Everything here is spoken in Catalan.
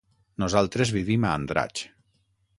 Nosaltres vivim a Andratx.